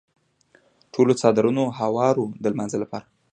ټولو څادرونه هوار وو د لمانځه لپاره.